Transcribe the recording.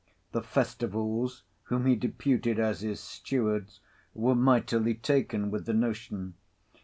The Festivals, whom he deputed as his stewards, were mightily taken with the notion.